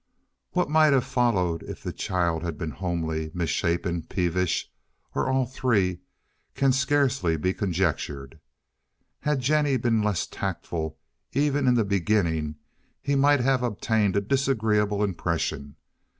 What might have followed if the child had been homely, misshapen, peevish, or all three, can scarcely be conjectured. Had Jennie been less tactful, even in the beginning, he might have obtained a disagreeable impression.